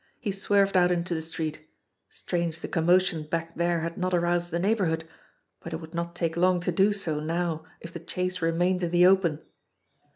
He swerved out into the street. Strange the commotion back there had not aroused the neighbourhood ! But it would not take long to do so now if the chase remained in the open